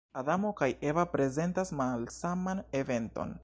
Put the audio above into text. Adamo kaj Eva prezentas malsaman eventon.